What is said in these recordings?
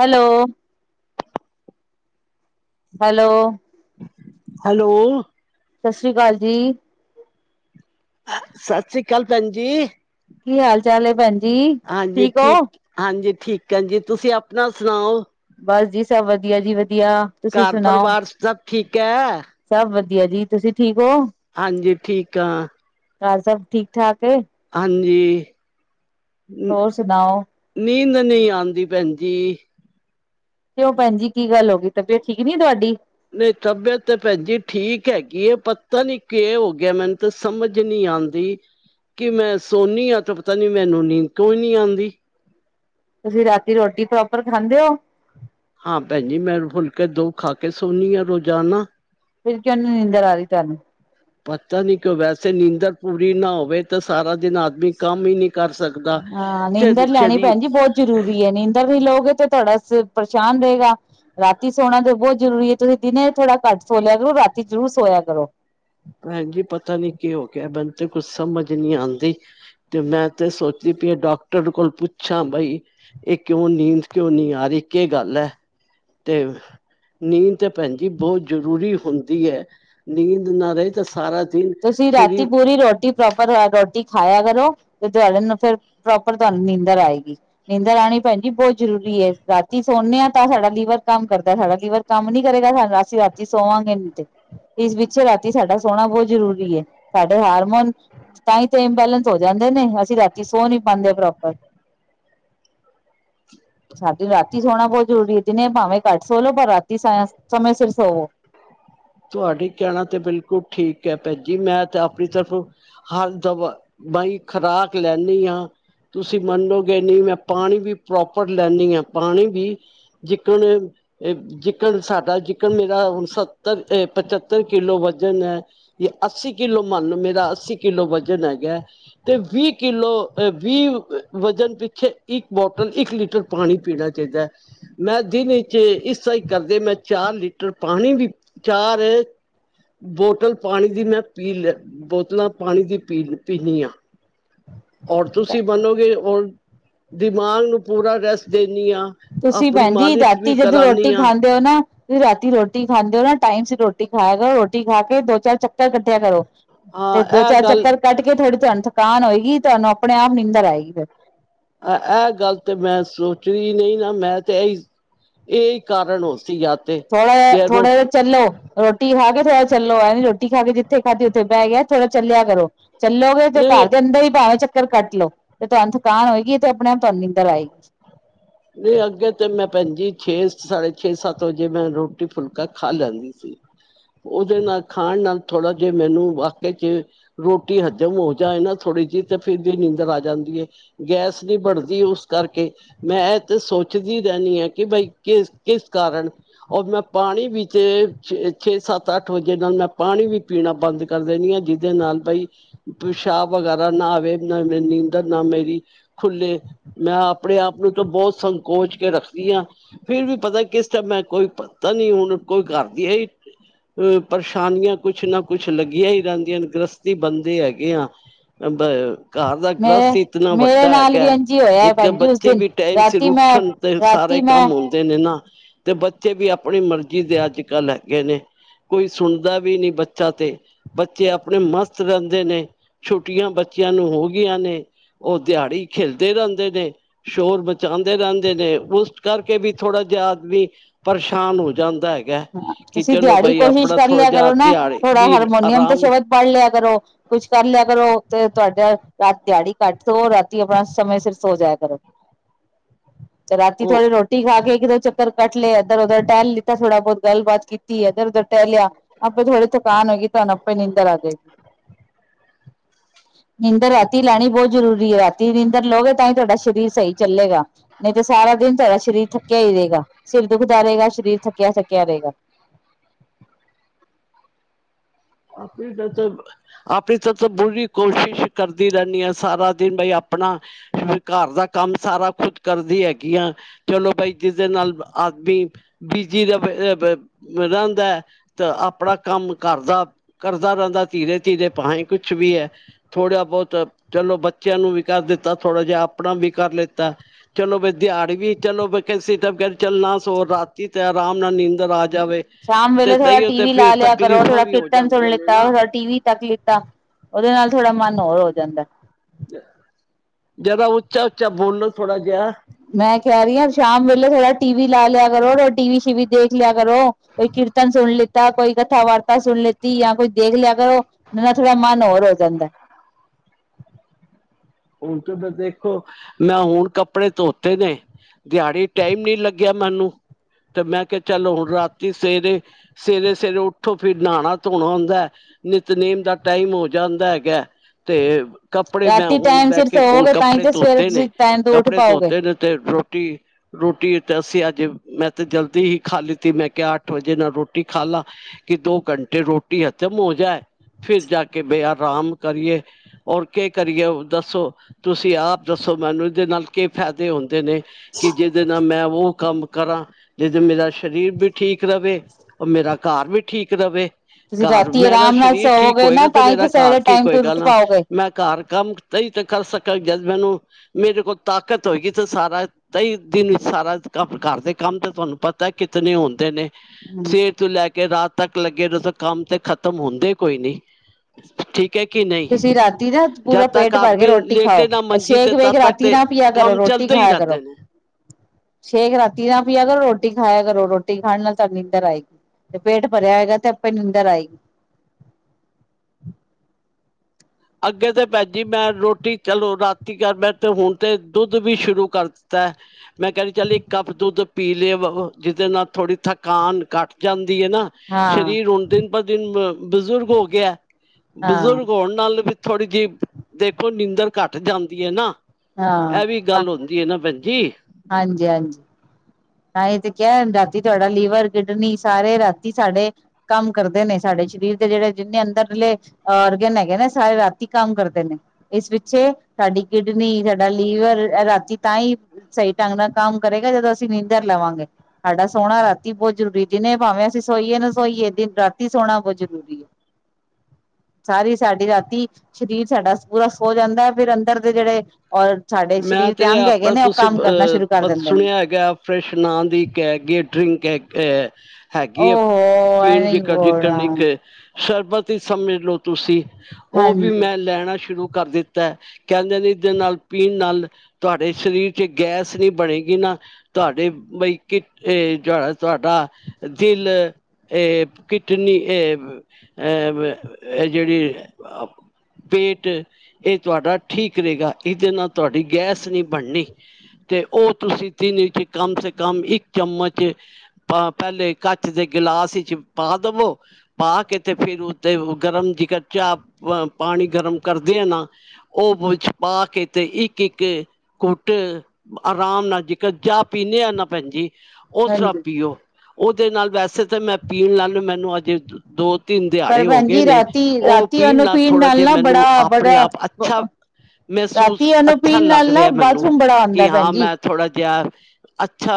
Hello. Hello. Hello. ਸਤਿ ਸ੍ਰੀ ਅਕਾਲ ਜੀ। ਸਤਿ ਸ੍ਰੀ ਅਕਾਲ ਭੈਣ ਜੀ। ਕੀ ਹਾਲ -ਚਾਲ ਹੈ ਭੈਣ ਜੀ ਹਾਂਜੀ, ਠੀਕ ਹਾਂਜੀ। ਠੀਕ ਹੈ ਜੀ, ਤੁਸੀਂ ਆਪਣਾ ਸੁਣਾਓ। ਬਸ ਜੀ ਸਭ ਵਧੀਆ ਜੀ ਵ ਵਧੀਆ, ਤੁਸੀਂ ਘਰ ਸੁਣਾਓ, ਪਰਿਵਾਰ ਸਭ ਠੀਕ ਹੈ? ਸਭ ਵਧੀਆ ਜੀ ਤੁਸੀਂ ਠੀਕ ਹੋ? ਹਾਂਜੀ ਠੀਕ ਆ, ਘਰ ਸਭ ਠੀਕ ਠਾਕ? ਪੰਜਜੀ [inaudible] ਹੋਰ ਸੁਣਾਓ। ਨਹੀਂ, ਆਉਂਦੀ ਭੈਣਜੀ। ਕਿਓਂ ਭੈਣ ਜੀ, ਕੀ ਗੱਲ ਹੋ ਕਿ ਤਬੀਅਤ ਠੀਕ ਨੀ ਤੁਹਾਡੀ? ਨਈ ਤਬੀਅਤ ਤੇ ਭੈਣ ਜੀ ਠੀਕ ਹੈਗੀਏ। ਪਤਾ ਨੀ ਕੇ ਹੋ ਗਿਆ ਮੈਨੂੰ ਤਾਂ ਸਮਝ ਨੀ ਆਂਦੀ। ਕਿ ਮੈਂ ਸੋਨੀ ਆ ਤੇ ਪਤਾ ਨੀ ਮੈਨੂੰ ਨੀਂਦ ਕਿਉਂ ਹੀ ਨਹੀਂ ਆਂਦੀ। ਤੁਸੀਂ ਰਾਤੀ ਰੋਟੀ ਪ੍ਰੋਪਰ ਖਾਂਦੇ ਹੋ ਹਾਂ ਭੈਣ ਜੀ ਮੈਂ ਫੁਲਕੇ ਦੋ ਖਾ ਕੇ ਸੋਨੀ ਆ ਰੋਜ਼ਾਨਾ। ਫਿਰ ਕਿਉ ਨੀ ਨੀਂਦਰ ਆ ਰੀ ਤਾਨੂੰ। ਪਤਾ ਨਹੀਂ ਕਿਉਂ ਵੈਸੇ ਨੀਂਦਰ ਪੂਰੀ ਨਾ ਹੋਵੇ ਤਾਂ ਸਾਰਾ ਦਿਨ ਆਦਮੀ ਕੰਮ ਈ ਨ ਹਾਂ, ਨੀਂਦਰ ਲੈਣੀ ਭੈਣ ਜੀ ਬਹੁਤ ਜਰੂਰੀ ਏ। ਨੀਂਦਰ ਨੀ ਲੋਗੇ ਤੇ ਤੁਹਾਡਾ ਸ ਪਰੇਸ਼ਾਨ ਰਹੇਗਾ ਰਾਤੀ ਸੋਨਾ ਤਾਂ ਬਹੁਤ ਜ਼ਰੂਰੀ ਏ। ਤੁਸੀਂ ਦਿਨੇ ਥੋੜ੍ਹਾ ਘੱਟ ਸੋ ਲਿਆ ਕਰੋ ਰਾਤੀ ਜ਼ਰੂਰ ਸੋਇਆ ਕਰੋ। ਭੈਣ ਜੀ ਪਤਾ ਨੀ ਕਿ ਹੋ ਗਿਆ ਮੈਨੂੰ ਤੇ ਕੁਛ ਸਮਝ ਨੀ ਆਂਦੀ ਤੇ ਮੈਂ ਤੇ ਸੋਚੀ ਪਈ ਡਾਕਟਰ ਕੋਲ ਪੁੱਛਾਂ ਬਈ ਇਹ ਕਿਉਂ ਨੀਂਦ ਕਿਉਂ ਨੀ ਆ ਰਹੀ ਕੇ ਗੱਲ ਏ। ਤੇ ਨੀਂਦ ਤਾਂ ਭੈਣ ਜੀ ਬਹੁਤ ਜ਼ਰੂਰੀ ਹੁੰਦੀ ਏ ਨੀਂਦ ਨਾ ਰਹੇ ਤਾਂ ਸ ਤੁਸੀਂ ਰਾਤੀ ਪੂਰੀ ਰੋਟੀ ਪ੍ਰੋਪਰ ਰ ਰੋਟੀ ਖਾਇਆ ਕਰੋ ਤੇ ਤੁਹਾਡੇ ਨੂੰ ਫੇਰ ਪ੍ਰੋਪਰ ਤੁਹਾਨੂੰ ਨੀਂਦਰ ਆਏਗੀ। ਨੀਂਦਰ ਆਣੀ ਭੈਣ ਜੀ ਬੋਤ ਜ਼ਰੂਰੀ ਏ। ਰਾਤੀ ਸੋਨੇ ਆ ਤਾਂ ਸਾਡਾ ਲੀਵਰ ਕੰਮ ਕਰਦਾ ਏ, ਸਾਡਾ ਲੀਵਰ ਕੰਮ ਨੀ ਕਰੇਗਾ ਸਾਨੂੰ ਰਾ ਅਸੀਂ ਰਾਤੀ ਸੋਵਾਂਗੇ ਨੀ ਤੇ। ਇਸ ਪਿੱਛੇ ਰਾਤੀ ਸਾਡਾ ਸੋਣਾ ਬੋਤ ਜ਼ਰੂਰੀ ਏ। ਸਾਡੇ ਹਾਰਮੋਨ ਤਾਂ ਈ ਤੇ ਇੰਬੈਲੈਂਸ ਹੋ ਜਾਂਦੇ ਨੇ। ਅਸੀਂ ਰਾਤੀ ਸੋ ਨੀ ਪਾਂਦੇ ਪ੍ਰੋਪਰ। ਸਾਨੂੰ ਰਾਤੀ ਸੋਣਾ ਬੋਤ ਜ਼ਰੂਰੀ ਏ, ਦਿਨੇ ਭਾਵੇਂ ਘੱਟ ਸੋ ਲੋ ਪਰ ਰਾਤੀ ਸਾਯਾ ਸਮੇਂ ਸਿਰ ਸੋਵੋ। ਤੁਹਾਡੀ ਕਹਿਣਾ ਤੇ ਬਿਲਕੁਲ ਠੀਕ ਐ ਭੈਣਜੀ ਮੈਂ ਤੇ ਆਪਣੀ ਤਰਫੋ ਹਰ ਦਵਾ ਬਈ ਖੁਰਾਕ ਲੈਂਨੀ ਆਂ ਤੁਸੀਂ ਮੰਨੋਗੇ ਨੀ ਮੈਂ ਪਾਨੀ ਵੀ ਪ੍ਰੋਪਰ ਲੈਂਦੀ ਆ ਪਾਣੀ ਵੀ ਜਿਕਣ ਅ ਜਿਕਣ ਸਾਡਾ ਜਿਕਣ ਮੇਰਾ ਹੁਨ ਸਬ [unintelligible] ਪਚੱਤਰ ਕਿੱਲੋ ਵਜਨ ਏ ਯ ਅੱਸੀ ਕਿਲੋ ਮੰਨ ਲੋ। ਮੇਰਾ ਅੱਸੀ ਕਿੱਲੋ ਵਜ਼ਨ ਹੈਗਾ। ਤੇ ਵੀਹ ਕਿੱਲੋ ਅ ਵੀਹ ਵ ਵਜ਼ਨ ਪਿੱਛੇ ਇੱਕ ਬੋਕਲ ਇੱਕ ਲੀਟਰ ਪਾਣੀ ਪੀਣਾ ਚਾਹੀਦਾਏ। ਮੈਂ ਦਿਨ ਵਿਚ ਇਸ ਤਰਾ ਈ ਕਰਦੇ ਮੈਂ ਚਾਰ ਲੀਟਰ ਪਾਣੀ ਵੀ ਚਾਰ ਬੋਤਲ ਪਾਣੀ ਦੀ ਮੈਂ ਪੀ ਲੈ ਬੋਤਲਾਂ ਪਾਣੀ ਦੀ ਪੀ ਪੀਂਦੀ ਆਂ। ਔਰ ਤੁਸੀਂ ਮੰਨੋਗੇ ਔਰ ਦਿਮਾਗ ਨੂੰ ਪੂਰਾ ਰੈਸਟ ਦੇਨੀ ਆ। ਤੁਸੀਂ ਭੈਣ ਜੀ ਰਾਤੀ ਜਦੋਂ ਰੋਟੀ ਹਾਂ ਖਾਂਦੇ ਹੋ ਨਾ ਤੁਸੀਂ ਰਾਤੀ ਰੋਟੀ ਖਾਂਦੇ ਓ ਨਾ ਟਾਈਮ ਸਿਰ ਰੋਟੀ ਖਾਇਆ ਕਰੋ ਰੋਟੀ ਖਾ ਕੇ ਦੋ ਚਾਰ ਚੱਕਰ ਕੱਟੇਆ ਕਰੋ। ਤੇ ਹਾਂ ਦੋ ਇਹ ਚਾਰ ਗੱਲ ਚੱਕਰ ਕੱਟ ਕੇ ਥੋੜ੍ਹੀ ਤੁਹਾਨੂੰ ਥਕਾਨ ਹੋਏਗੀ ਤੁਹਾਨੂੰ ਆਪਣੇ ਆਪ ਨੀਂਦਰ ਆਏਗੀ ਫੇਰ। ਇਹ ਗੱਲ ਤੇ ਮੈਂ ਸੋਚਦੀ ਨਈ ਨਾ ਮੈਂ ਤੇ ਇਹੀ ਇਹ ਹੀ ਕਾਰਨ ਹੋ ਸ ਥੋੜ੍ਹਾ, ਥੋੜ੍ਹਾ ਜ ਚੱਲੋ। ਰੋਟੀ ਖਾ ਕੇ ਥੋੜ੍ਹਾ ਚੱਲੋ ਐ ਨੀ ਰੋਟੀ ਖਾ ਕੇ ਜਿੱਥੇ ਖਾਧੀ ਉੱਥੇ ਬੈ ਗਿਆ ਥੋੜ੍ਹਾ ਚੱਲਿਆ ਕਰੋ। ਚੱਲੋਗੇ ਤੇ ਨਹੀਂ ਘਰ ਦੇ ਅੰਦਰ ਹੀ ਭਾਵੇਂ ਚ ਚੱਕਰ ਕੱਟ ਲੋ। ਤੇ ਤੁਹਾਨੂੰ ਥਕਾਨ ਹੋਏਗੀ ਤੇ ਆਪਨੇ ਆਪ ਤੁਹਾਨੂੰ ਨੀਂਦਰ ਆਏਗੀ। ਨਈ ਅੱਗੇ ਤੇ ਮੈਂ ਭੈਣ ਜੀ ਛੇ ਸਾਢੇ ਛੇ, ਸੱਤ ਵਜੇ ਮੈਂ ਰੋਟੀ ਫੁਲਕਾ ਖਾ ਲੈਂਦੀ ਸੀ। ਉਹਦੇ ਨਾਲ ਖਾਨ ਨਾਲ ਥੋੜ੍ਹਾ ਜਿ ਮੈਨੂੰ ਵਾਕਿਆ ਚ ਰੋਟੀ ਹਜ਼ਮ ਹੋ ਜਾਏ ਨਾ ਥੋੜ੍ਹੀ ਜਿਹੀ ਤਾਂ ਫਿਰ ਦੀ ਨੀਂਦਰ ਆ ਜਾਂਦੀ ਏ। ਗੈਸ ਨੀ ਬਨਦੀ ਉਸ ਕਰਕੇ। ਮੈਂ ਤੇ ਸੋਚਦੀ ਰਹਿੰਦੀ ਅ ਕਿ ਬਈ ਕਿਸ, ਕਿਸ ਕਾਰਨ ਔਰ ਮੈਂ ਪਾਨੀ ਵਿੱਚ ਛੇ, ਸੱਤ, ਅੱਠ ਵਜੇ ਨਾਲ ਮੈਂ ਪਾਣੀ ਵੀ ਪੀਣਾ ਬੰਦ ਕਰ ਦੇਣੀ ਆਂ ਜਿਹਦੇ ਨਾਲ ਬਈ ਪੇਸ਼ਾਬ ਵਗੈਰਾ ਨਾ ਆਵੇ ਨਾ ਮ ਨੀਂਦ ਨਾ ਮੇਰੀ ਖੁੱਲੇ ਮੈਂ ਆਪਣੇ ਆਪ ਨੂੰ ਤਾਂ ਬੋਤ ਸੰਕੋਚ ਕੇ ਰੱਖਦੀ ਅ ਫਿਰ ਵੀ ਪਤਾ ਕਿਸ ਟਾਈਮ ਮੈਂ ਕੋਈ ਪਤਾ ਨੀ ਹੁਨ ਕੋਈ ਘਰ ਦੀਆਂ ਹੀ ਆਂ ਪਰੇਸ਼ਾਨੀਆਂ ਕੁਛ ਨਾ ਕੁਛ ਲੱਗੀਆਂ ਈ ਰਹਿੰਦੀਆਂ ਨੇ ਗ੍ਰਹਸਤੀ ਬੰਦੇ ਹੈਗੇ ਆ ਬ ਘਰ ਦਾ ਮੇਰੇ ਗ੍ਰਹਿਸਤ ਇਤਨਾ ਮੇਰੇ ਵੱਡਾ ਨਾਲ ਵੀ ਹੈਗਾ ਇੰਝ ਹੀ ਹੋਇਆ ਇੱਕ ਤਾਂ ਭੈਣ ਜੀ ਉਸ ਬੱਚੇ ਦਿਨ ਵੀ ਟਾਈਮ ਰਾਤੀ ਮੈਂ ਉੱਠਨ ਤੇ ਸਾਰੇ ਰਾਤੀ ਮੈਂ ਕੰਮ ਹੁੰਦੇ ਨੇ। ਨਾ ਤੇ ਬੱਚੇ ਵੀ ਆਪਣੀ ਮਰਜ਼ੀ ਦੇ ਅੱਜ ਕੱਲ ਹੈਗੇ ਨੇ ਕੋਈ ਸੁਨਦਾ ਵੀ ਨੀ ਬੱਚਾ ਤੇ, ਬੱਚੇ ਆਪਣੇ ਮਸਤ ਰਹਿੰਦੇ ਨੇ। ਛੁੱਟੀਆਂ ਬੱਚਿਆਂ ਨੂੰ ਹੋ ਗਈਆਂ ਨੇ ਉਹ ਦਿਹਾੜੀ ਖੇਲਦੇ ਰਹਿੰਦੇ ਨੇ ਸ਼ੋਰ ਮ ਮਚਾਂਦੇ ਰਹਿੰਦੇ ਨੇ ਉਸ ਕਰਕੇ ਵੀ ਥੋੜ੍ਹਾ ਜਿਹਾ ਆਦਮੀ ਪਰੇਸ਼ਾਨ ਹੋ ਜਾਂਦਾ ਏ। ਹ ਤੁਸੀਂ ਦਿਹਾੜੀ ਕੋਸ਼ਿਸ਼ ਕਰ ਲਿਆ ਜਿਹਾ ਕਰੋ ਨਾ, ਦਿਹਾੜੀ ਥੋੜ੍ਹਾ ਵੀ ਹਰਮੋਨੀਅਮ ਤੇ ਆਰਾਮ ਸ਼ਬਦ ਪੜ੍ਹ ਲਿਆ ਕਰੋ, ਕੁਛ ਕਰ ਲਿਆ ਕਰੋ ਤੇ ਤੁਹਾਡਾ ਰਾਤ ਦਿਹਾੜੀ ਕੱਟ ਸੋਵੋਂ ਰਾਤੀ ਆਪਨਾ ਸਮੇਂ ਸਿਰ ਸੋ ਜਾਇਆ ਕਰੋ। ਤੇ ਰਾਤੀ ਥੋੜ੍ਹੀ ਉਹ ਰੋਟੀ ਖਾ ਕੇ ਇੱਕ-ਦੋ ਚੱਕਰ ਕੱਟ ਲਿਆ, ਏਧਰ ਓਦਰ ਟਹਿਲ ਲਿਤਾ ਥੋੜ੍ਹਾ ਬਹੁਤ। ਗੱਲਬਾਤ ਕੀਤੀ ਐ। ਫਿਰ ਓਦਰ ਟਹਿਲਿਆ। ਆਪਾਂ ਥੋੜ੍ਹੇ ਤੱ ਅਸਾਨ ਹੋਗੀ ਤੁਆਨੂੰ ਆਪੇ ਨਿੰਦਰ ਆ ਜਾਏਗੀ। [inaudible] ਨੀਂਦਰ ਰਾਤੀ ਲੈਣੀ ਬਹੁਤ ਜ ਜ਼ਰੂਰੀ ਏ ਰਾਤੀ ਨੀਂਦਰ ਲਓਗੇ ਤਾਂ ਹੀ ਤੁਹਾਡਾ ਸਰੀਰ ਸਹੀ ਚੱਲੇਗਾ ਨਹੀਂ ਤੇ ਸਾਰਾ ਦਿਨ ਤੁਹਾਡਾ ਸਰੀਰ ਥੱਕਿਆ ਈ ਰਏਗਾ। ਸਿਰ ਦੁਖਦਾ ਰਏਗਾ ਸਰੀਰ ਥੱਕਿਆ-ਥੱਕਿਆ ਥੱਕਿਆ ਰਹੇਗਾ। ਆਪਣੀ ਤਰੋਂ ਤੇ ਬੁਰੀ ਕੋਸ਼ਿਸ਼ ਕਰਦੀ ਰਹਿੰਣੀ ਆਂ ਸਾਰਾ ਦਿਨ ਬਈ ਆਪਣਾ ਘਰ ਦਾ ਕੰਮ ਸਾਰਾ ਕੁਝ ਕਰਦੀ ਹੈਗੀ ਆ ਚਲੋ ਬਾਈ ਜਿਸ ਦੇ ਨਾਲ ਆਦਮੀ ਬਿਜੀ ਰਵੇ ਰਹਿੰਦਾ ਤੇ ਆਪਣਾ ਕੰਮ ਘਰ ਦਾ ਕਰਦਾ ਰਹਿੰਦਾ ਧੀਰੇ-ਧੀਰੇ ਭਾਏਂ ਕੁਛ ਵੀ ਐ, ਥੋੜ੍ਹਾ ਬਹੁਤ ਚਲੋ ਬੱਚਿਆਂ ਨੂੰ ਵੀ ਕਰ ਦਿੱਤਾ ਥੋੜ੍ਹਾ ਜਿਹਾ ਆਪਣਾ ਵੀ ਕਰ ਲਿੱਤਾ। ਚਲੋ ਬ ਦਿਹਾੜੀ ਵੀ ਚਲੋ ਬ [unintelligible] ਚੱਲਣਾ ਸੋ ਰਾਤੀ ਤੇ ਆਰਾਮ ਨਾਲ ਨੀਂਦਰ ਆਜੇ ਸ਼ਾਮ ਵੇਲੇ ਥੋੜਾ ਟੀ ਵੀ ਲਾ ਲਿਆ ਕਰੋ, ਤਕਲੀਫ਼ਾਂ ਥੋੜਾ ਵੀ ਹੋ ਕੀਰਤਨ ਸੁਣ ਜਾਂਦੀਆਂ ਨੇ ਨਾ। ਲਿੱਤਾ, ਟੀਵੀ ਤੱਕ ਲਿੱਤਾ ਉਹ ਉਹਦੇ ਨਾਲ ਥੋੜਾ ਮਨ ਹੋਰ ਹੋ ਜਾਂਦਾ। ਜਿਆਦਾ ਉੱਚਾ-ਉੱਚਾ ਬੋਲੋ ਥੋੜਾ ਜਿਆ ਕੈਅ ਰਈਂ ਆਂ ਸ਼ਾਮ ਵੇਲੇ ਥੋੜਾ ਟੀਵੀ ਲਾ ਲਿਆ ਕਰੋ। ਟੀਵੀ ਸੀ਼ਵੀ ਦੇਖ ਲਿਆ ਕਰੋ, ਕੋਈ ਕੀਰਤਨ ਸੁਣ ਲਿੱਤਾ, ਕੋਈ ਕਥਾ ਵਾਰਤਾ ਸੁਣ ਲਿੱਤੀ ਜਾਂ ਕੋਈ ਦੇਖ ਲਿਆ ਕਰੋ। ਜਿਦੇ ਨਾਂ ਥੋੜਾ ਮਨ ਹੋਰ ਹੋ ਜਾਂਦਾ। ਹੁਣ ਤੇ ਫਿਰ ਦੇਖੋ, ਮੈਂ ਹੁਣ ਕੱਪੜੇ ਧੋਤੇ ਨੇ ਦਿਹਾੜੀ ਟਾਈਮ ਨੀ ਲੱਗਿਆ ਮੈਨੂੰ। ਤੇ ਮੈਂ ਕਿਹਾ ਚਲੋ ਹੁਣ ਰਾਤੀਂ ਸਵੇਰੇ, ਸਵੇਰੇ-ਸਵੇਰੇ ਉੱਠੋ ਫਿਰ ਨਾਣਾ ਧੋਣਾ ਹੁੰਂਦਾ। ਨਿਤਨੇਮ ਦਾ ਟਾਈਮ ਹੋ ਜਾਂਦਾ ਹੈਗਾ ਤੇ ਕੱਪੜੇ ਮੈਂ ਰਾਤੀ ਹੁਣ ਟਾਈਮ ਬਹਿ ਸਿਰ ਕੇ ਹੁਣ ਸੋਵੋਗੇ ਤਾਂ ਹੀ ਕੱਪੜੇ ਤੇ ਸਵੇਰੇ ਧੋਤੇ ਨੇ ਤੁਸੀਂ ਟਾਈਮ ਤੋਂ ਉੱਠ ਕੱਪੜੇ ਪਾਓਗੇ ਧੋਤੇ ਨੇ ਤੇ ਰੋਟੀ, ਰੋਟੀ ਤੇ ਅਸੀਂ ਅੱਜ ਜੇ ਮੈਂ ਤੇ ਜਲਦੀ ਹੀ ਖਾ ਲਿੱਤੀ ਮੈਂ ਕਿਹਾ ਅੱਠ ਵਜੇ ਨਾਲ ਰੋਟੀ ਖਾ ਲਾ ਕਿ ਦੋ ਘੰਟੇ ਰੋਟੀ ਹਜਮ ਹੋ ਜਾਏ ਫਿਰ ਜਾ ਕੇ ਬੇ ਆਰਾਮ ਕਰੀਏ ਔਰ ਕੀ ਕਰੀਏ ਦੱਸੋ ਤੁਸੀਂ ਆਪ ਦੱਸੋ ਮੈਨੂੰ ਇਹਦੇ ਨਾਲ ਕੀ ਫਾਇਦੇ ਹੁੰਦੇ ਨੇ। ਕਿ ਜਿਹਦੇ ਨਾਲ ਮੈਂ ਉਹ ਕੰਮ ਕਰਾਂ ਜਦ ਮੇਰਾ ਸਰੀਰ ਵੀ ਠੀਕ ਰਵੇ। ਉਹ ਮੇਰਾ ਘਰ ਵੀ ਠੀਕ ਰਵੇ। ਤੁਸੀਂ ਘਰ ਰਾਤੀ ਮੇਰਾ ਆਰਾਮ ਨਾਲ ਸਰੀਰ ਠੀਕ ਸੋਵੋਗੇ ਨਾ ਹੋਏਗਾ ਤੇ ਤਾਂ ਹੀ ਮੇਰਾ ਘਰ ਸਵੇਰੇ ਠੀਕ ਟਾਈਮ ਤੋਂ ਹੋਏਗਾ ਉੱਠ ਨਾ ਪਾਓਗੇ ਮੈਂ ਘਰ ਕੰਮ ਤਈ ਤਾਂ ਕਰ ਸਕਾਂ ਜਦ ਮੈਨੂੰ ਮੇਰੇ ਕੋਲ ਤਾਕਤ ਹੋਏਗੀ ਤਾਂ ਸਾਰਾ ਤਈ ਦਿਨ ਸਾਰਾ ਦੇ ਕੰਮ ਤਾਂ ਤੁਆਨੂੰ ਪਤਾ ਕਿਤਨੇ ਹੁੰਦੇ ਨੇਂ। ਸਵੇਰ ਤੋਂ ਲੈ ਕੇ ਕਿ ਰਾਤ ਤੱਕ ਲੱਗੇ ਰੋ ਕੰਮ ਤੇ ਖਤਮ ਹੁੰਦੇ ਕੋਈ ਨੀਂ। ਠੀਕ ਹੈ ਕਿ ਨਹੀਂ ਤੁਸੀਂ ਰਾਤੀ ਦਾ ਅੱਜ ਪੂਰਾ ਜਦ ਤੱਕ ਪੇਟ ਭਰ ਕੇ ਆਦਮੀ ਰੋਟੀ ਖਾਓ, ਲੇਟੇ ਨਾ ਮੰਜੀ ਸੇ਼ਕ ਤੇ ਵੇਖ ਤਦ ਤੱਕ ਰਾਤੀ ਤੇ ਨਾਂ ਪਿਆ ਕਰੋ, ਕੰਮ ਰੋਟੀ ਚੱਲਦੇ ਹੀ ਖਾਇਆ ਕਰੋ। ਰਹਿੰਦੇ ਨੇ ਸੇ਼ਕ ਰਾਤੀ ਨਾਂ ਪੀਆ ਕਰੋ ਰੋਟੀ ਖਾਇ ਕਰੋ, ਰੋਟੀ ਖਾਣ ਨਾਲ ਤਾਂਨੂੰ ਨੀਦਰ ਆਏਗੀ ਤੇ ਪੇਟ ਭਰਿਆ ਹੋਏਗਾ ਤੇ ਆਪੇ ਨੀਂਦਰ ਆਏਗੀ। ਅੱਗੇ ਤੇ ਭੈਣਜੀ ਮੈਂ ਰੋਟੀ ਚਲੋ ਰਾਤੀ ਕਰ ਮੈਂ ਤੇ ਹੁਣ ਤੇ ਦੁੱਧ ਵੀ ਸ਼ੁਰੂ ਕਰ ਦਿੱਤਾ। ਮੈਂ ਕਹਿ ਰਈ ਚੱਲ ਇੱਕ ਕੱਪ ਦੁੱਧ ਪੀ ਲਿਆ ਵ ਜਿਹਦੇ ਨਾਲ ਥੋੜ੍ਹੀ ਥਕਾਨ ਘੱਟ ਜਾਂਦੀ ਦੀ ਏਨਾਂ ਹਾਂ ਸਰੀਰ ਹੁਣ ਦਿਨ ਬ ਦਿਨ ਆ ਬਜ਼ੁਰਗ ਹੋ ਗਿਆ ਹਾਂ ਬਜ਼ੁਰਗ ਹੋਣ ਨਾਲ ਦਿ ਵੀ ਥੋੜ੍ਹੀ ਜਿਹੀ ਦੇਖੋ ਨੀਂਦਰ ਘੱਟ ਜਾਂਦੀ ਐ ਨਾਂ। ਹਾਂ ਇਹ ਵੀ ਤਾਂ ਗੱਲ ਹੁੰਦੀ ਐ ਨਾਂ ਭੈਣਜੀ। ਹਾਂਜੀ ਹਾਂਜੀ। ਤਾਂ ਇਹ ਤੇ ਕਿਹਾ ਰਾਤੀ ਤੁਹਾਡਾ ਲੀਵਰ ਕਿਡਨੀ ਸਾਰੇ ਰਾਤੀ ਸਾਡੇ ਕੰਮ ਕਰਦੇ ਨੇ ਸਾਡੇ ਸਰੀਰ ਦੇ ਜਿਹੜੇ ਜਿੰਨੇ ਅੰਦਰਲੇ ਔਰਗਨ ਹੈਗੇ ਨੇ ਸਾਰੇ ਰਾਤੀ ਕੰਮ ਕਰਦੇ ਨੇਂ ਇਸ ਪਿੱਛੇ ਸਾਡੀ ਕਿਡਨੀ ਸਾਡਾ ਲੀਵਰ ਰਾਤੀ ਤਾਂ ਈ ਸਹੀ ਢੰਗ ਨਾਲ ਕੰਮ ਕਰੇਗਾ ਜਦੋਂ ਅਸੀਂ ਅਂ ਇੱਧਰ ਲਵਾਂਗੇ ਸਾਡਾ ਸੋਣਾ ਰਾਤੀ ਬਹੁਤ ਜ਼ਰੂਰੀ ਜਿਨੇ ਭਾਵੇਂ ਅਸੀਂ ਸੋਈਏ ਨਾ ਸੋਈਏ ਦਿਨ ਰਾਤੀ ਸੋਣਾ ਬਹੁਤ ਜ਼ਰੂਰੀ ਹੈ ਸਾਰੀ ਸਾਡੀ ਰਾਤੀ ਸਰੀਰ ਸਾਡਾ ਪੂਰਾ ਸੋ ਜਾਂਦਾ ਫਿਰ ਅੰਦਰ ਦੇ ਜਿਹੜੇ ਔਰ ਸਾਡੇ ਮੈਂ ਸਰੀਰ ਦੇ ਤੇ ਅੰਗ ਹੈਗੇ ਆਪਾਂ ਨੇ ਉਹ ਤੁਸੀਂ ਕੰਮ ਕਰਨਾ ਸ਼ੁਰੂ ਕਰ ਅ ਦਿੰਦੇ ਨੇ ਸੁਣਿਆ ਹੈਗਾ ਫਰੈਸ਼ ਨਾਂ ਦੀ ਕਹਿ ਕੇਟਰਿੰਗ ਕਹਿ ਅ ਹੈਗੀ ਹੈ ਉਹ ਐ ਪੀਣ ਦੀ ਨਹੀਂ ਕਦੀ ਬੋਲਣਾ ਕਨਿਕ ਏ ਸਰਬਤੀ ਸਮਝ ਲੋ ਤੁਸੀਂ ਉਹ ਵੀ ਹਾਂਜੀ ਮੈਂ ਲੈਣਾ ਸ਼ੁਰੂ ਕਰ ਦਿੱਤਾ ਕਹਿੰਦੇ ਨੇ ਨਾਲ ਪੀਣ ਨਾਲ ਤੁਹਾਡੇ ਸਰੀਰ ਚ ਗੈਸ ਨਹੀਂੀ ਬਣੇਗੀ ਨਾ ਤੁਹਾਡੇ ਬਈ ਕਿ ਜਿਹੜਾ ਤੁਹਾਡਾ ਦਿਲ ਇਹ ਕਿਡਨੀ ਅ ਜਿਹੜੀ ਪੇਟ ਇਹ ਤੁਹਾਡਾ ਠੀਕ ਰਹੇਗਾ ਇਹਦੇ ਨਾਲ ਤੁਹਾਡੀ ਗੈਸ ਨੀ ਬਣਨੀ ਤੇ ਉਹ ਤੁਸੀਂ ਦਿਨ ਵਿੱਚ ਕਮ ਸੇ ਕਮ ਇੱਕ ਚਮਚ ਪਹਿਲੇ ਕੱਚ ਦੇ ਗਿਲਾਸ ਵਿੱਚ ਪਾ ਦੇਵੋ ਪਾ ਕੇ ਤੇ ਫਿਰ ਉਹਦੇ ਗਰਮ ਜਿਕਰ ਚਾਹ ਪਾਣੀ ਗਰਮ ਕਰਦੇ ਆ ਨਾ ਉਹ ਮੂੰਹ ਚ ਪਾ ਕੇ ਤੇ ਇੱਕ ਇੱਕ ਕੁੱਟ ਆਰਾਮ ਨਾਲ ਜਕਰ ਚਾਹ ਪੀਂਦੇ ਆ ਨਾ ਭੈਜੀ ਉਹ ਤਰਾ ਹਾਂਜੀ ਪੀਓ ਉਹਦੇ ਨਾਲ ਵੈਸੇ ਤਾਂ ਮੈਂ ਪੀਣ ਲਾ ਮੈਨੂੰ ਅਜੇ ਦੋ ਤਿੰਨ ਪਰ ਦਿਹਾੜੇ ਹੋ ਭੈਣ ਗਏ ਜੀ ਨੇ ਰਾਤੀ ਉਹ ਰਾਤੀ ਪੀਣ ਉਹਨੂੰ ਨਾਲ ਥੋੜਾ ਜਿਹਾ ਨਾ ਮੈਨੂੰ ਬੜਾ ਆਪਣੇ ਬੜਾ ਆਪ ਅਛਾ ਅੱਛਾ ਮਹਿਸੂਸ ਰਾਤੀ ਉਹਨੂੰ ਅੱਛਾ ਪੀਣ ਲੱਗ ਨਾਲ ਨਾ ਰਿਹਾ ਮੈਨੂੰ ਬਾਥਰੂਮ ਬੜਾ ਆਉਂਦਾ ਕਿ ਭੈਣ ਹਾਂ ਜੀ ਮੈਂ ਥੋੜਾ ਜਿਹਾ ਅੱਛਾ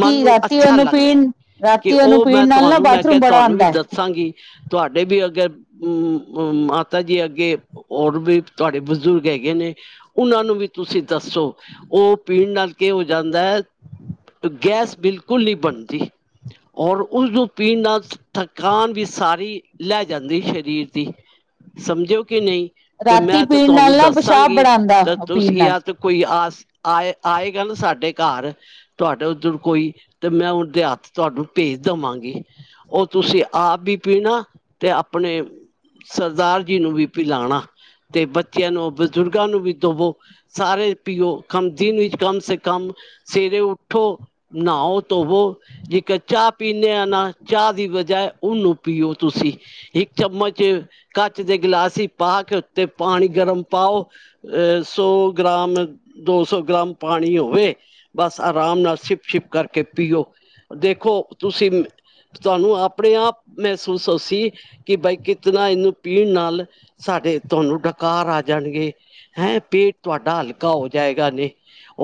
ਮਨ ਨੂੰ ਰਾਤੀ ਅੱਛਾ ਉਹਨੂੰ ਲੱਗ ਰਿਹਾ ਪੀਣ ਕਿ ਰਾਤੀ ਉਹਨੂੰ ਉਹ ਮੈਂ ਪੀਣ ਨਾਲ ਨਾ ਤੁਹਾਨੂੰ ਮੈਂ ਕਿਹਾ ਬਾਥਰੂਮ ਬੜਾ ਤੁਹਾਨੂੰ ਵੀ ਆਉਂਦਾ ਹੈ ਦੱਸਾਂਗੀ ਤੁਹਾਡੇ ਵੀ ਅਗਰ ਹਮ ਹਮ ਪਤਾ ਜੀ ਅੱਗੇ ਹੋਰ ਵੀ ਤੁਹਾਡੇ ਬਜ਼ੁਰਗ ਹੈਗੇ ਨੇ ਉਹਨਾਂ ਨੂੰ ਵੀ ਤੁਸੀਂ ਦੱਸੋ ਉਹ ਪੀਣ ਨਾਲ ਕੀ ਹੋ ਜਾਂਦਾ ਹੈ ਗੈਸ ਬਿਲਕੁਲ ਨਹੀਂ ਬਣਦੀ ਔਰ ਉਸਨੂੰ ਪੀਣ ਨਾਲ ਥਕਾਨ ਵੀ ਸਾਰੀ ਲੈ ਜਾਂਦੀ ਸਰੀਰ ਦੀ ਸਮਝੋ ਕਿ ਨਹੀਂ ਤੇ ਰਾਤੀ ਮੈਂ ਤੇ ਪੀਣ ਨਾਲ ਤੁਹਾਨੂੰ ਨਾ ਪਿਸ਼ਾਬ ਦੱਸਾਂਗੀ ਬੜਾ ਆਉਂਦਾ ਤਾਂ ਤੁਸੀ ਪੀਣ ਨਾਲ ਯ ਤੇ ਕੋਈ ਆਸ ਆਏ ਆਏਗਾ ਨਾ ਸਾਡੇ ਘਰ ਤੁਹਾਡੇ ਉੱਧਰ ਕੋਈ ਤੇ ਮੈਂ ਉਹ ਦੇ ਹੱਥ ਤੁਹਾਨੂੰ ਭੇਜ ਦੇਵਾਂਗੀ ਉਹ ਤੁਸੀਂ ਆਪ ਵੀ ਪੀਣਾ ਤੇ ਆਪਣੇ ਸਰਦਾਰ ਜੀ ਨੂੰ ਵੀ ਪਲਾਣਾ ਤੇ ਬੱਚਿਆਂ ਨੂੰ ਬਜ਼ੁਰਗਾਂ ਨੂੰ ਵੀ ਦਵੋ ਸਾਰੇ ਪੀਓ ਕਮ ਦਿਨ ਵਿੱਚ ਕਮ ਸੇ ਕਮ ਸਵੇਰੇ ਉੱਠੋ ਨਹਾਓ ਧੋਵੋ ਜੇਕਰ ਚਾਹ ਪੀਂਦੇ ਆ ਨਾ ਚਾਹ ਦੀ ਵਜਾ ਉਹਨੂੰ ਪੀਓ ਤੁਸੀਂ ਇੱਕ ਚਮਚ ਕੱਚ ਦੇ ਗਿਲਾਸ ਹੀ ਪਾ ਕੇ ਉੱਤੇ ਪਾਣੀ ਗਰਮ ਪਾਓ ਅ ਸੌ ਗ੍ਰਾਮ ਦੋ ਸੌ ਗ੍ਰਾਮ ਪਾਣੀ ਹੋਵੇ ਬਸ ਆਰਾਮ ਨਾਲ ਛਿਪ ਛਿਪ ਕਰਕੇ ਪੀਓ ਦੇਖੋ ਤੁਸੀਂ ਤੁਹਾਨੂੰ ਆਪਣੇ ਆਪ ਮਹਿਸੂਸ ਹੋਸੀ ਕਿ ਬਈ ਕਿਤਨਾ ਇਹਨੂੰ ਪੀਣ ਨਾਲ ਸਾਡੇ ਤੁਹਾਨੂੰ ਡਕਾਰ ਆ ਜਾਣਗੇ ਹੈਂ ਪੇਟ ਤੁਹਾਡਾ ਹਲਕਾ ਹੋ ਜਾਏਗਾ ਨੇ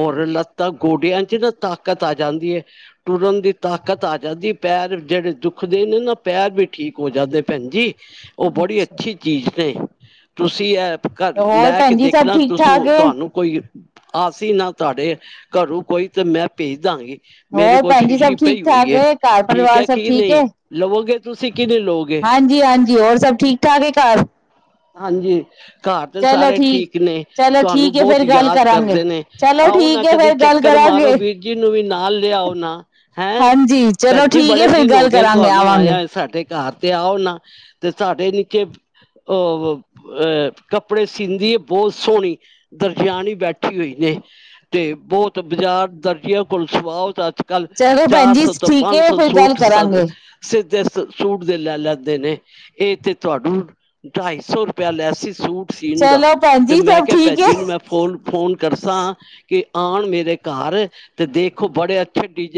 ਔਰ ਲੱਤਾਂ ਗੋਡਿਆਂ ਚ ਨਾ ਤਾਕਤ ਆ ਜਾਂਦੀ ਹੈ ਟੁਰਨ ਦੀ ਤਾਕਤ ਆ ਜਾਂਦੀ ਪੈਰ ਜਿਹੜੇ ਦੁਖਦੇ ਨੇ ਨਾ ਪੈਰ ਵੀ ਠੀਕ ਹੋ ਜਾਂਦੇ ਭੈਣ ਜੀ ਉਹ ਬੜੀ ਅੱਛਾ ਅੱਛੀ ਚੀਜ਼ ਇਹ ਤੁਸੀਂ ਇਹ ਘ ਹੋਰ ਲੈ ਕੇ ਭੈਣ ਜੀ ਸਭ ਦੇਖਣਾ ਠੀਕ ਤੁਸੀ ਠਾਕ ਏ ਤੁਹਾਨੂੰ ਕੋਈ ਅਸੀਂ ਨਾ ਤੁਹਾਡੇ ਘਰੋਂ ਕੋਈ ਤੇ ਮੈਂ ਭੇਜ ਦਾਂਗੀ ਮੇਰੇ ਹੋਰ ਕੋਲ ਭੈਣ ਜੀ ਸ਼ੀਸ਼ੀ ਸਭ ਠੀਕ ਪਈ ਹੋਈ ਠਾਕ ਹੈ ਘਰ ਠੀਕ ਪਰਿਵਾਰ ਹੈ ਸਬ ਕਿ ਠੀਕ ਨਹੀਂ ਹੈ ਲਵੋਗੇ ਤੁਸੀਂ ਕਿ ਨਹੀਂ ਲਓਗੇ ਹਾਂਜੀ ਹਾਂਜੀ ਹੋਰ ਸਭ ਠੀਕ ਸਾਰੇ ਘਰ ਹਾਂਜੀ ਘਰ ਦੇ ਸਾਰੇ ਠੀਕ ਨੇ ਚਲੋ ਤੁਹਾਨੂੰ ਠੀਕ ਹੈ ਬਹੁਤ ਫੇਰ ਗੱਲ ਯਾਦ ਕਰਾਂਗੇ ਕਰਦੇ ਨੇ ਚਲੋ ਆਓ ਨਾ ਠੀਕ ਹੈ ਕਦੇ ਫੇਰ ਗੱਲ ਚੱਕਰ ਮਾਰੋ ਕਰਾਂਗੇ ਵੀਰ ਜੀ ਨੂੰ ਵੀ ਨਾਲ ਲਿਆਓ ਨਾ ਹੈਂ ਹਾਂਜੀ ਚਲੋ ਭੈਣ ਜੀ ਠੀਕ ਹੈ ਬੜੇ ਫੇਰ ਦਿਨ ਹੋ ਗੱਲ ਗਏ ਕਰਾਂਗੇ ਤੁਹਾਨੂੰ ਆਵਾਂਗੇ ਆਇਆ ਸਾਡੇ ਘਰ ਤੇ ਆਓ ਨਾ ਤੇ ਸਾਡੇ ਨ ਕਿ ਅ ਅਹ ਕੱਪੜੇ ਸੀੀਂਦੀ ਬਹੁਤ ਸੋਹਣੀ ਦਰਜਿਆਣੀ ਬੈਠੀ ਹੋਈ ਨੇ ਤੇ ਬਹੁਤ ਬਾਜ਼ਾਰ ਦਰਜੀਆਂ ਕੋਲ ਸੁਆਓੱਜ ਕੱਲ ਚਲੋ ਭੈਣ ਚਾਰ ਜੀ ਸੌ ਤੋਂ ਠੀਕ ਪੰਜ ਹੈ ਸੌ ਫੇਰ ਗੱਲ ਸੂਟ ਕਰਾਂਗੇ ਸਿੱਧੇ ਸੂਟ ਦੇ ਲੈ ਲੈਂਦੇ ਨੇ ਇਹਥੇ ਤੁਹਾਡੂੰ ਢਾਈ ਸੌ ਰੁਪਇਆ ਲੈਸੀ ਸੂਟ ਸੀਨ ਦਾ ਚਲੋ ਭੈਣ ਤੇ ਜੀ ਮੈਂ ਸਭ ਕਿਹਾ ਠੀਕ ਭੈਨਜੀ ਹੈ ਨੂੰ ਮੈਂ ਫੋਨ-ਫੋਨ ਕਰ ਸਾਂ ਕਿ ਆਣ ਮੇਰੇ ਘਰ ਤੇ ਦੇਖੋ ਬੜੇ ਅੱਛ ਛੱਡੀ ਜੇ